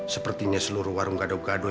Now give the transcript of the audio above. sepertinya seluruh warung gado gado